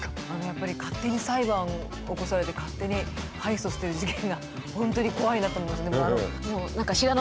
やっぱり勝手に裁判起こされて勝手に敗訴してる事件が本当に怖いなと思うんですよ。